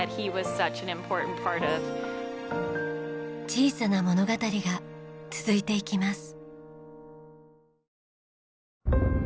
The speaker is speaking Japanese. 小さな物語が続いていきます。